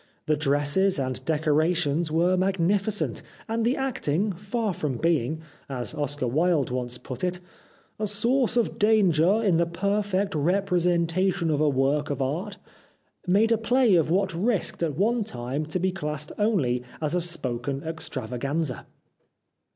The dresses and decora tions were magnificent, and the acting far from being — as Oscar Wilde once put it — "a source of danger in the perfect representation of a work of art," made a play of what risked at one time to be classed only as a spoken extravaganza.